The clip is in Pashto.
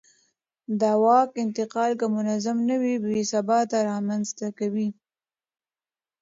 د واک انتقال که منظم نه وي بې ثباتي رامنځته کوي